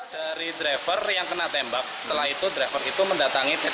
dari driver yang kena tembak setelah itu driver itu mendatangi